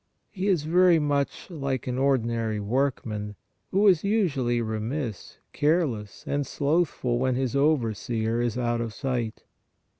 He is very much like an ordinary workman, who is usually remiss, careless and slothful when his overseer is out of sight.